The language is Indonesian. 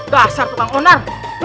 basar tukang onar